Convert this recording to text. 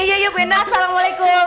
iya iya bu endang assalamualaikum